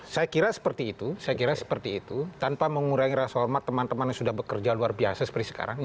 saya kira seperti itu tanpa mengurangi ras hormat teman teman yang sudah bekerja luar biasa seperti sekarang